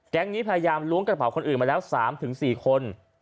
นี้พยายามล้วงกระเป๋าคนอื่นมาแล้ว๓๔คน